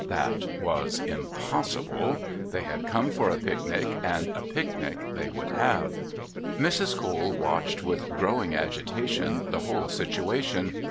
That was impossible. They had come for a picnic and a picnic they would have. Mrs. Cole watched, with growing agitation, the whole situation.